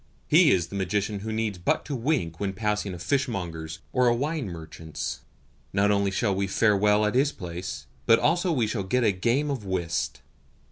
He is the magician who needs but to wink when passing a fishmonger's or a wine merchant's. Not only shall we fare well at his place, but also we shall get a game of whist."